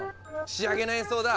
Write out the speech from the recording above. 仕上げの演奏だ。